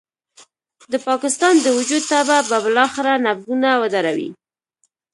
د پاکستان د وجود تبه به بالاخره نبضونه ودروي.